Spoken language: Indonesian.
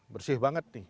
bersih banget nih